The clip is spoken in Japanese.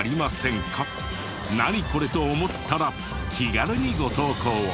「ナニコレ？」と思ったら気軽にご投稿を。